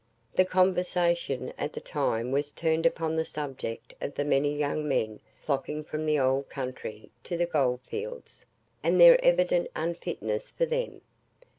The conversation at the time was turned upon the subject of the many young men flocking from the "old country" to the gold fields, and their evident unfitness for them.